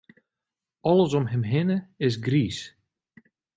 Alles om him hinne is griis.